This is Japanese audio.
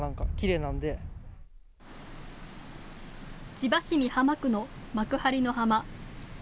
千葉市美浜区の幕張の浜。